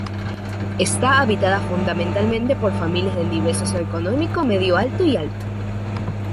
Está habitada fundamentalmente por familias de nivel socio-económico medio alto y alto.